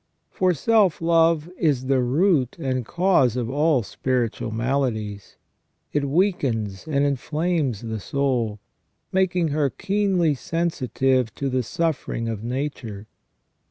For self love is the root and cause of all spiritual maladies ; it weakens and inflames the soul, making her keenly sensitive to the suffering of nature.